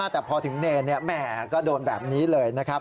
แต่พอถึงเนรแหมก็โดนแบบนี้เลยนะครับ